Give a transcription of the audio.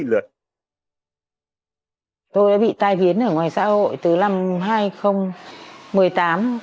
tôi đã bị tai biến ở ngoài xã hội từ năm hai nghìn một mươi tám